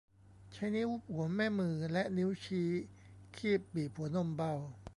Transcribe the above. ใช้นิ้วหัวแม่มือและนิ้วชี้คีบบีบหัวนมเบา